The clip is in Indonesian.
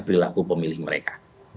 berlaku pemilih mereka